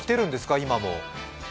今も？